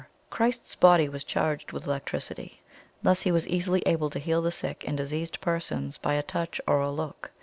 Christ's body was charged with electricity. Thus He was easily able to heal sick and diseased persons by a touch or a look.